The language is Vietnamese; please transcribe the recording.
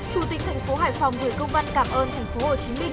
chủ tịch tp hcm vừa công văn cảm ơn tp hcm